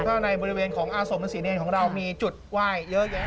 ถ้าในบริเวณของอาสมศรีเนรของเรามีจุดไหว้เยอะแยะ